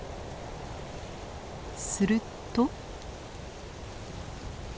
すると。